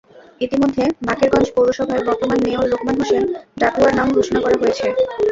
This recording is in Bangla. ইতিমধ্যে বাকেরগঞ্জ পৌরসভায় বর্তমান মেয়র লোকমান হোসেন ডাকুয়ার নাম ঘোষণা করা হয়েছে।